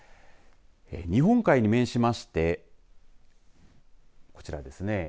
日本海に面しましてこちらですね。